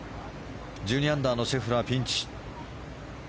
１２アンダーのシェフラーピンチ。